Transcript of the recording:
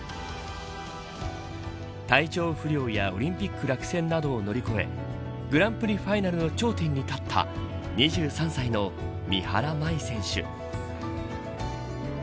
体調不良やオリンピック落選などを乗り越えグランプリファイナルの頂点に立った２３歳の三原舞依選手。